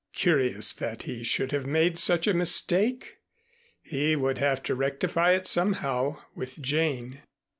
Curious that he should have made such a mistake. He would have to rectify it somehow with Jane.